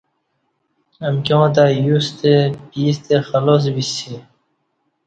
امکیاں تہ یوستہ پیستہ خلاس بیسی